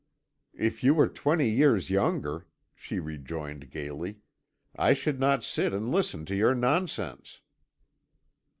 "If you were twenty years younger," she rejoined gaily, "I should not sit and listen to your nonsense."